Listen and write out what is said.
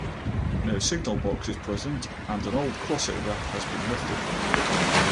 No signal box is present and an old crossover has been lifted.